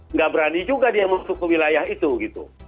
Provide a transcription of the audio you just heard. nggak berani juga dia masuk ke wilayah itu gitu